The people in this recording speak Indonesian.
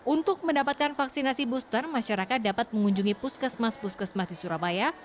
untuk mendapatkan vaksinasi booster masyarakat dapat mengunjungi puskesmas puskesmas di surabaya